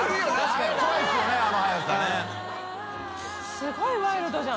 すごいワイルドじゃん